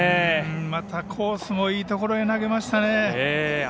またコースもいいところへ投げましたね。